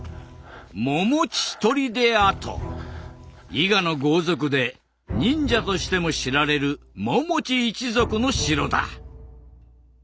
伊賀の豪族で忍者としても知られる百地一族の城だ。